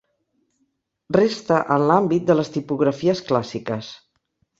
Resta en l'àmbit de les tipografies clàssiques.